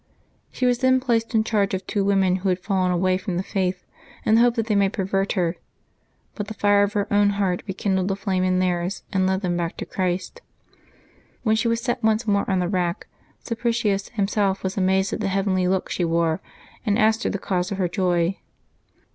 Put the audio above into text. '^ She was then placed in charge of two women who had fallen away from the faith, in the hope that they might pervert her ; but the fire of her own heart rekindled the flame in theirs, and led them back to Christ. When she was set once more on the rack, Sapricius himself was amazed at the heavenly look she wore, and asked her the cause of her joy.